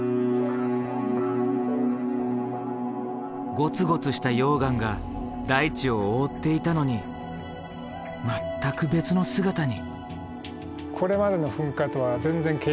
ゴツゴツした溶岩が大地を覆っていたのに全く別の姿に。